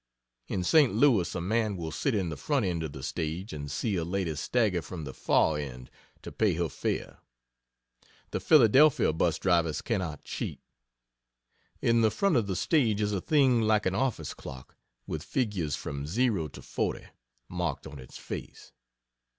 In St. Louis a man will sit in the front end of the stage, and see a lady stagger from the far end, to pay her fare. The Phila. 'bus drivers cannot cheat. In the front of the stage is a thing like an office clock, with figures from 0 to 40, marked on its face.